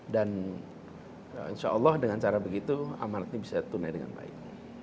dan insya allah dengan cara begitu amalat ini bisa tunai dengan baik